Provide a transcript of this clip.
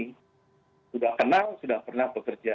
sudah kenal sudah pernah bekerja